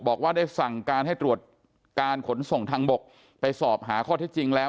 บอกว่าได้สั่งการให้ตรวจการขนส่งทางบกไปสอบหาข้อที่จริงแล้ว